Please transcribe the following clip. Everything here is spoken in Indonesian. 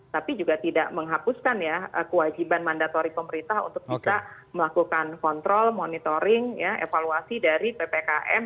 tapi juga tidak menghapuskan ya kewajiban mandatori pemerintah untuk bisa melakukan kontrol monitoring evaluasi dari ppkm